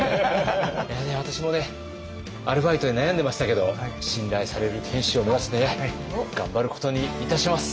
私もねアルバイトで悩んでましたけど信頼される店主を目指してね頑張ることにいたします。